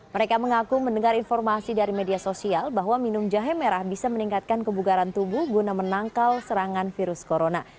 mereka mengaku mendengar informasi dari media sosial bahwa minum jahe merah bisa meningkatkan kebugaran tubuh guna menangkal serangan virus corona